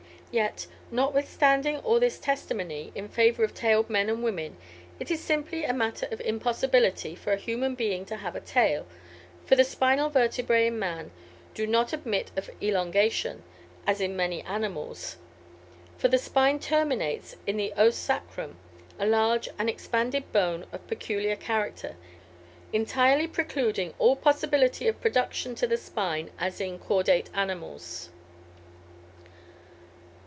Yet, notwithstanding all this testimony in favor of tailed men and women, it is simply a matter of impossibility for a human being to have a tail, for the spinal vertebræ in man do not admit of elongation, as in many animals; for the spine terminates in the os sacrum, a large and expanded bone of peculiar character, entirely precluding all possibility of production to the spine as in caudate animals.